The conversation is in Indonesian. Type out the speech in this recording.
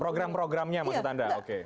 program programnya maksud anda